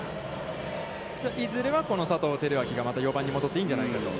いずれはこの佐藤輝明が、また４番に戻っていいんじゃないかと。